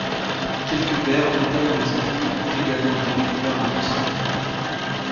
Quelques verres, notamment des ampoules, ont également été découvert lors de ces fouilles.